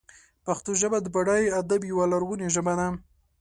پښتو ژبه د بډای ادب یوه لرغونې ژبه ده.